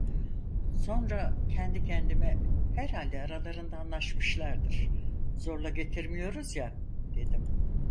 Sonra kendi kendime: "Herhalde aralarında anlaşmışlardır. Zorla getirmiyoruz ya" dedim.